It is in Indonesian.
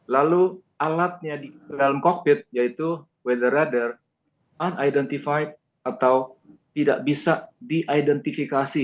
lalu alatnya di dalam kokpit yaitu weather radar un identified atau tidak bisa diidentifikasi